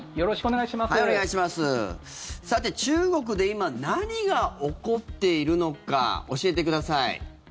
さて中国で今何が起こっているのか教えてください。